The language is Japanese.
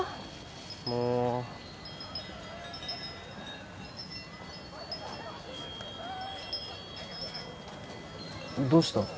もうどうした？